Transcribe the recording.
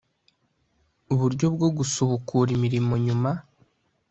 uburyo bwo gusubukura imirimo nyuma